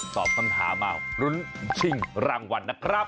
ตอบคำถามมารุ้นชิงรางวัลนะครับ